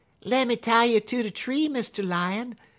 "'Lemme tie you ter de tree, Mr. Lion!